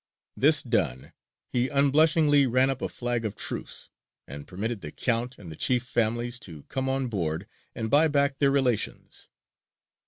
This done, he unblushingly ran up a flag of truce, and permitted the Count and the chief families to come on board and buy back their relations.